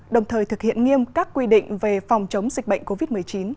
đồng thời thực hiện nghiêm các quy định về phòng chống dịch bệnh covid một mươi chín